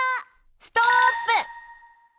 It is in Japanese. ストップ！